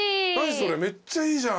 それめっちゃいいじゃん。